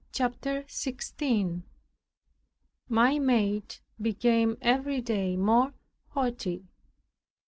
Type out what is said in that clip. CHAPTER 16 My maid became every day more haughty.